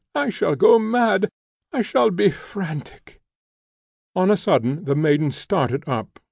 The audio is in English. I shall go mad! I shall be frantic!" On a sudden the maiden started up.